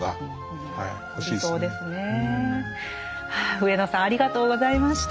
上野さんありがとうございました。